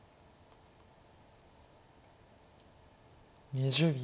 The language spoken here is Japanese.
２０秒。